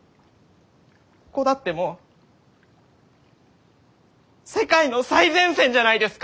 ここだってもう世界の最前線じゃないですか！